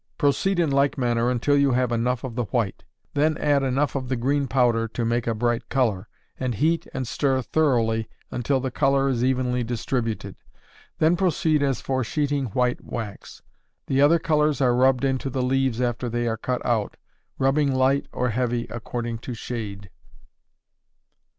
Proceed in like manner until you have enough of the white; then add enough of the green powder to make a bright color, and heat and stir thoroughly until the color is evenly distributed; then proceed as for sheeting white wax. The other colors are rubbed into the leaves after they are cut out, rubbing light or heavy according to shade.